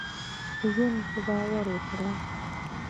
ژوند په باور وکړهٔ.